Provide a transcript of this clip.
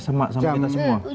semua sama kita semua